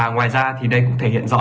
ngoài ra thì đây cũng thể hiện rõ